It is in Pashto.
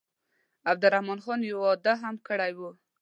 عبدالرحمن خان یو واده هم کړی وو.